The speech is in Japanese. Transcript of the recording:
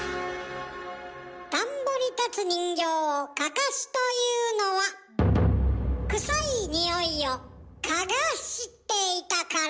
田んぼに立つ人形を「かかし」というのはクサいニオイを「かがし」ていたから。